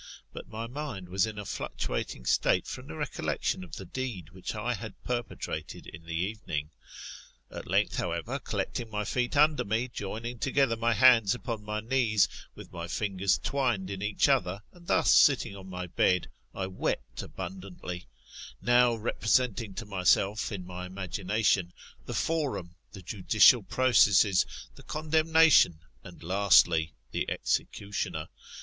But my mind was in a fluctuating state from' the recollection of the deed which I had perpetrated in the evening. At length, however, collecting my feet under me, joining together my hands upon hiy knees, with my fingers twined in each other, and thus sitting on my bed, I wept abundantly ; now represent ing to myself, in my imagination, the forum, the judicial processes, the condemnation, and lastly, the executioner.